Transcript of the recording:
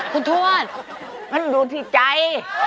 คุณทวดมันดูที่ใจ